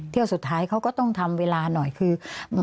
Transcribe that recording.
สุดท้ายเขาก็ต้องทำเวลาหน่อยคือ